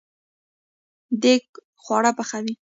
دیګ خواړه پخوي